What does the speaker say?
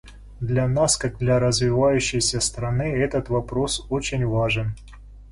Для нас как для развивающейся страны этот вопрос очень важен.